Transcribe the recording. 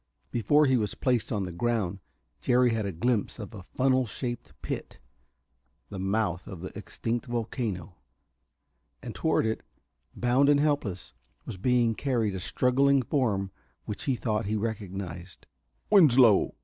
Before he was placed on the ground Jerry had a glimpse of a funnel shaped pit the mouth of the extinct volcano. And toward it, bound and helpless, was being carried a struggling form which he thought he recognized. "Winslow!"